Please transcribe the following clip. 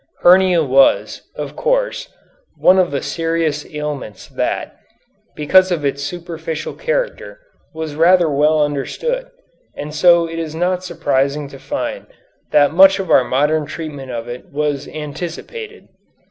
Hernia was, of course, one of the serious ailments that, because of its superficial character, was rather well understood, and so it is not surprising to find that much of our modern treatment of it was anticipated.